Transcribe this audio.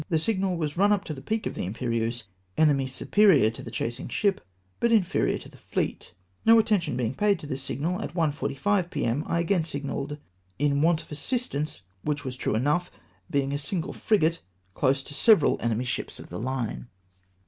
the signal was run up to the peak of the Imperieuse, " Enemy superior to chasing ship, hut inferior to the fleet" No attention being paid to this signal, at 1.45 p.m. I again signaUcd, ''In ivant of assistance" wdiich was true enough, being in a single frigate, close to several enemy's ships of the fine. ATTxVCIi THE FKENCII FLEET.